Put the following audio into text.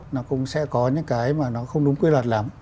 nó cũng sẽ có những cái mà nó không đúng quy luật lắm